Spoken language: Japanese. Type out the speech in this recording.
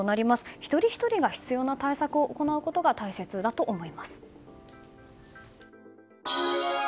一人ひとりが必要な対策を行うことが大切だと思います。